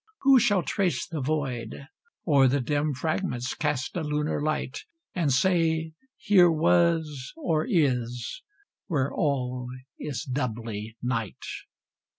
who shall trace the void, O'er the dim fragments cast a lunar light, And say, "Here was, or is," where all is doubly night?